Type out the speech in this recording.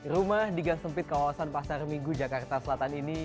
rumah di gang sempit kawasan pasar minggu jakarta selatan ini